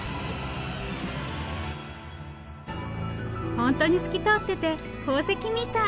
本当に透き通ってて宝石みたい。